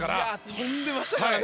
跳んでましたからね。